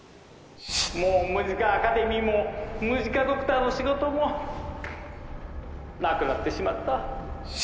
もうムジカ・アカデミーもムジカ・ドクターの仕事もなくなってしまった。